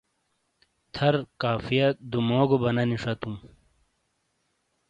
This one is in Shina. تھر قافیہ دُوموگوبنانی شَتُوں ۔